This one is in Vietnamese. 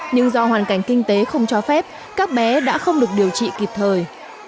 nhưng do hoàn cảnh kinh tế không cho phép các bé đã không được điều trị kịp thời